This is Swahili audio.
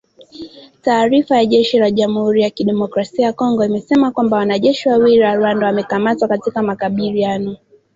Taarifa ya jeshi la jamuhuri ya kidemokrasia ya Kongo imesema kwamba wanajeshi wawili wa Rwanda wamekamatwa katika makabiliano